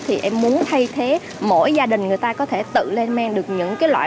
thì em muốn thay thế mỗi gia đình người ta có thể tự lên men được những loại